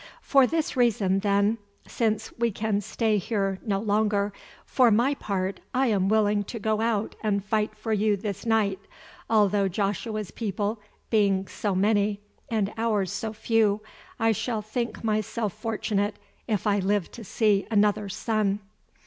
For this reason, then, since we can stay here no longer, for my part I am willing to go out and fight for you this night, although Joshua's people being so many and ours so few, I shall think myself fortunate if I live to see another sun."